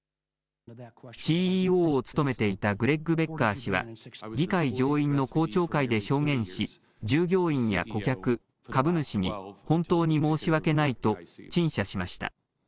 ＣＥＯを務めていたグレッグ・ベッカー氏は議会上院の公聴会で証言し従業員や顧客、株主に本当に申し訳ないと陳謝しました。